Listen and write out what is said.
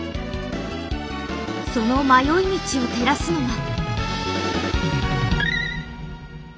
その迷い道を照らすのが。